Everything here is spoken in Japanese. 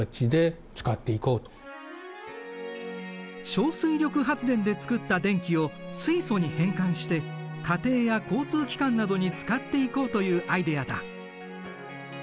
小水力発電で作った電気を水素に変換して家庭や交通機関などに使っていこうというアイデアだ。